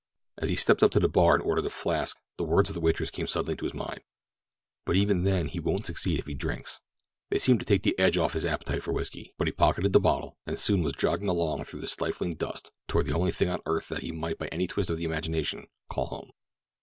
As he stepped up to the bar and ordered a flask the words of the waitress came suddenly to his mind: "—but even then he won't succeed if he drinks." They seemed to take the keen edge off his appetite for whisky, but he pocketed the bottle and soon was jogging along through the stifling dust toward the only thing on earth that he might by any twist of the imagination call home.